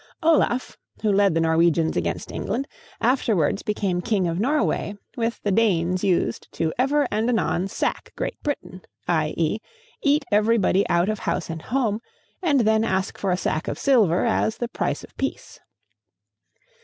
Olaf, who led the Norwegians against England, afterwards became king of Norway, and with the Danes used to ever and anon sack Great Britain, i.e., eat everybody out of house and home, and then ask for a sack of silver as the price of peace.